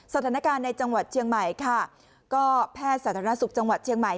สถานการณ์ในจังหวัดเชียงใหม่ค่ะก็แพทย์สาธารณสุขจังหวัดเชียงใหม่